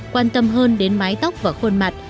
quan tâm hơn đến mái tóc và khuôn mặt